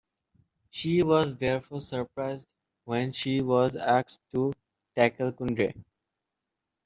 She was therefore surprised when she was asked to tackle Kundry.